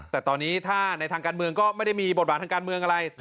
แต่ตอนนี้ถ้าในทางการเมืองก็ไม่ได้มีบทบาททางการเมืองอะไร